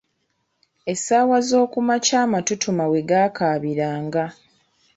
Essaawa zookumakya amatutuma we gaakaabiranga.